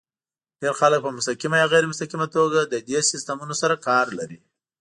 ډېر خلک په مستقیمه یا غیر مستقیمه توګه له دې سیسټمونو سره کار لري.